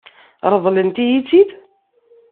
Ṛeḍlent-iyi-tt-id?